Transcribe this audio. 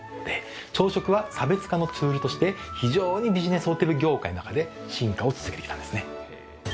朝食は差別化のツールとして、非常にビジネスホテル業界の中で進化を続けてきたんですね。